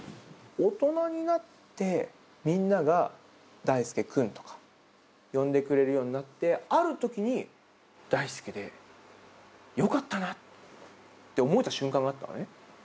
大人になって、みんながだいすけ君とか呼んでくれるようになって、あるときに、だいすけでよかったなって思えた瞬間があったのね。